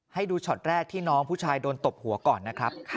ให้ดูช็อตแรกที่น้องผู้ชายโดนตบหัวก่อนนะครับ